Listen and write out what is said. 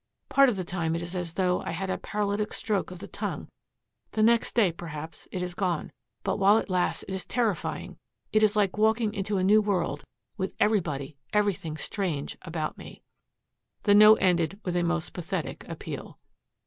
Part of the time it is as though, I had a paralytic stroke of the tongue. The next day, perhaps, it is gone. But while it lasts it is terrifying. It's like walking into a new world, with everybody, everything strange about me." The note ended with a most pathetic appeal.